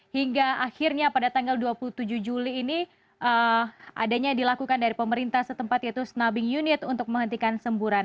hingga akhirnya pada tanggal dua puluh tujuh juli ini adanya dilakukan dari pemerintah setempat yaitu snubbing unit untuk menghentikan semburan